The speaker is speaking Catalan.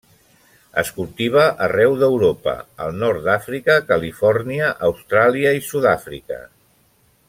Es cultiva arreu d'Europa, al nord d'Àfrica, Califòrnia, Austràlia i Sud-àfrica.